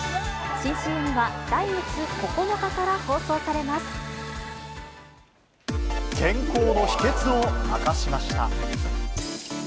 新ＣＭは来月９日から放送さ健康の秘けつを明かしました。